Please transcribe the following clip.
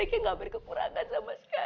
anaknya gak berkekurangan sama sekali